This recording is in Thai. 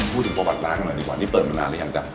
พูดถึงประวัติร้านกันหน่อยดีกว่านี่เปิดมานานหรือยังจ๊ะ